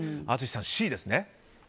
淳さん、Ｃですね？